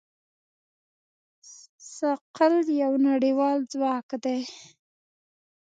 ثقل یو نړیوال ځواک دی.